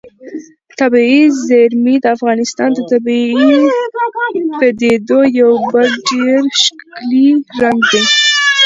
طبیعي زیرمې د افغانستان د طبیعي پدیدو یو بل ډېر ښکلی رنګ دی.